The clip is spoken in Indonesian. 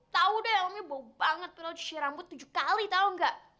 tau deh omnya bau banget pernah lo cuci rambut tujuh kali tau nggak